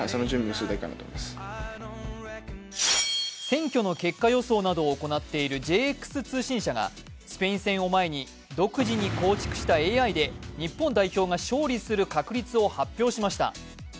選挙の結果予想などを行っているＪＸ通信社がスペイン戦を前に独自に構築したＡＩで日本が勝利する確率を発表しました。